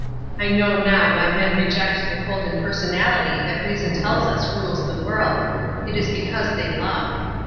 I know now why men reject the cold impersonality that reason tells us rules the world it is because they love.